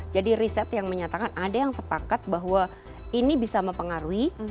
jadi riset yang menyatakan ada yang sepakat bahwa ini bisa mempengaruhi